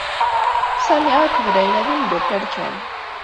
Sami akked Layla d imeddukal kan.